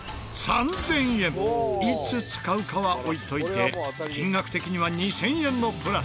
いつ使うかは置いといて金額的には２０００円のプラス。